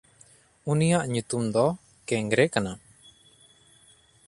ᱩᱱᱤᱭᱟᱜ ᱧᱩᱛᱩᱢ ᱫᱚ ᱠᱮᱝᱮᱨ ᱠᱟᱱᱟ᱾